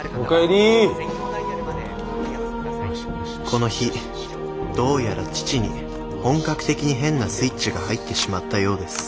この日どうやら父に本格的に変なスイッチが入ってしまったようです